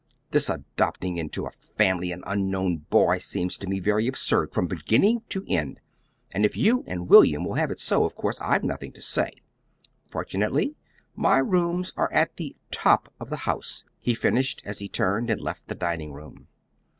This adopting into the family an unknown boy seems to me very absurd from beginning to end. But if you and William will have it so, of course I've nothing to say. Fortunately my rooms are at the TOP of the house," he finished, as he turned and left the dining room.